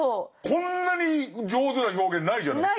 こんなに上手な表現ないじゃないですか。